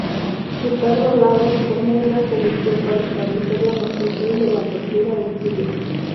Ricardo Lagos formó una comisión para establecer la magnitud de la tortura en Chile.